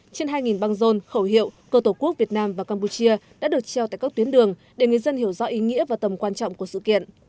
trên hai băng rôn khẩu hiệu cơ tổ quốc việt nam và campuchia đã được treo tại các tuyến đường để người dân hiểu rõ ý nghĩa và tầm quan trọng của sự kiện